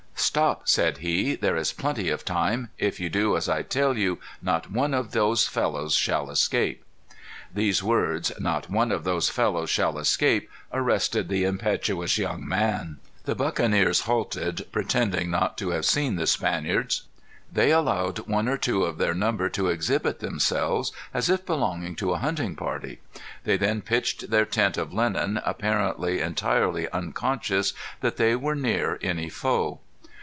"Stop," said he; "there is plenty of time. If you do as I tell you, not one of those fellows shall escape." These words, "Not one of those fellows shall escape," arrested the impetuous young man. The buccaneers halted, pretending not to have seen the Spaniards. They allowed one or two of their number to exhibit themselves, as if belonging to a hunting party. They then pitched their tent of linen, apparently entirely unconscious that they were near any foe.